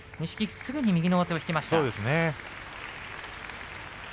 すぐに右の上手を引きました。